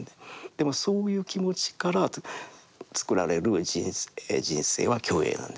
でもそういう気持ちからつくられる人生は虚栄なんですね。